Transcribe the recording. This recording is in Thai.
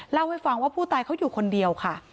เล่าให้ฟังว่าผู้ตายเขาอยู่คนเดียวค่ะ